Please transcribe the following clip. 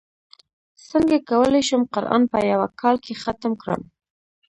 څنګه کولی شم قران په یوه کال کې ختم کړم